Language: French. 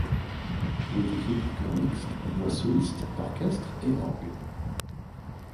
Il est écrit pour chœur mixte, voix solistes, orchestre et orgue.